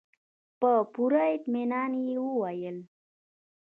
په پوره اطمينان يې وويل.